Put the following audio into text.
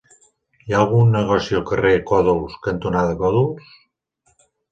Hi ha algun negoci al carrer Còdols cantonada Còdols?